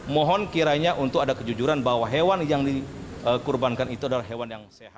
mohon kiranya untuk ada kejujuran bahwa hewan yang dikurbankan itu adalah hewan yang sehat